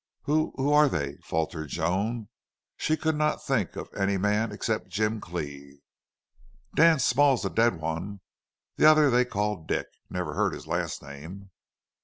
"Who who are they?" faltered Joan. She could not think of any man except Jim Cleve. "Dan Small's the one's dead. The other they call Dick. Never heard his last name."